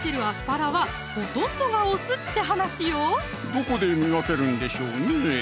どこで見分けるんでしょうねぇ